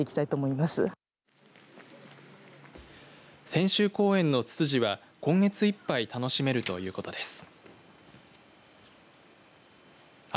千秋公園のツツジは今月いっぱい楽しめるということです。